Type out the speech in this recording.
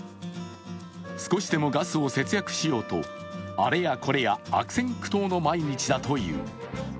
少しでもガスを節約しようとあれやこれや悪戦苦闘の毎日だという。